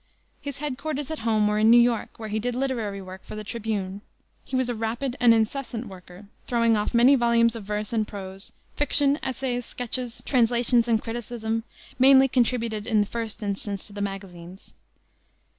His head quarters at home were in New York, where he did literary work for the Tribune. He was a rapid and incessant worker, throwing off many volumes of verse and prose, fiction, essays, sketches, translations and criticism, mainly contributed in the first instance to the magazines.